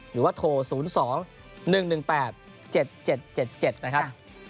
หรือว่าโทร๐๒๑๑๘๗๗๗นะครับ